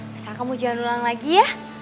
masa kamu jalan ulang lagi ya